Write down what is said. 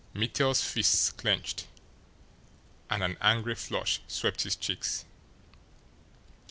Mittel's fists clenched, and an angry flush swept his cheeks.